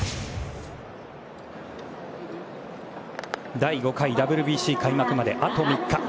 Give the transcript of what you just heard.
第５回ＷＢＣ開幕まであと３日。